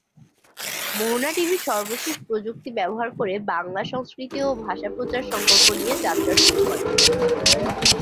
মোহনা TV সর্বশেষ প্রযুক্তি ব্যবহার করে বাংলা সংস্কৃতি ও ভাষা প্রচার সংকল্প নিয়ে যাত্রা শুরু করে।